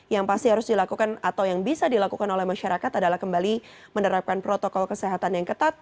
yang pasti harus dilakukan atau yang bisa dilakukan oleh masyarakat adalah kembali menerapkan protokol kesehatan yang ketat